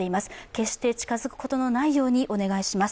決して近づくことのないようにお願いします。